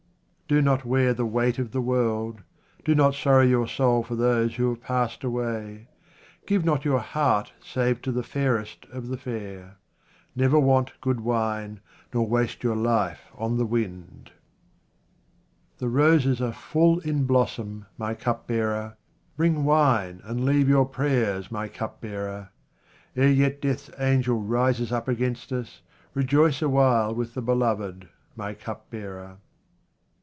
Do not wear the weight of the world, do not sorrow your soul for those who have passed away. Give not your heart save to the fairest of the fair. Never want good wine, nor waste your life on the wind. The roses are full in blossom, my cupbearer ; bring wine and leave your prayers, my cup 5 " QUATRAINS OF OMAR KHAYYAM bearer ; ere yet death's angel rises up against us, rejoice awhile with the beloved, my cup bearer.